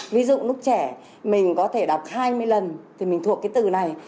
ví dụ lúc trẻ mình có thể đọc hai mươi lần thì mình thuộc cái từ này